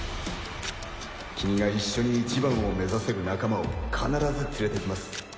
君が一緒に一番を目指せる仲間を必ず連れて来ます。